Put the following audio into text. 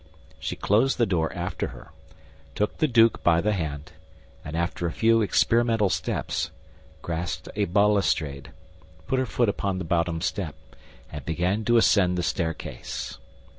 She closed the door after her, took the duke by the hand, and after a few experimental steps, grasped a balustrade, put her foot upon the bottom step, and began to ascend the staircase.